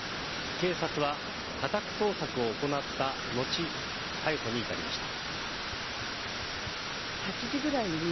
警察は家宅捜索を行った後逮捕に至りました。